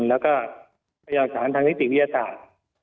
แล้วก็พยายามสารทางนิติวิทยาศาสตร์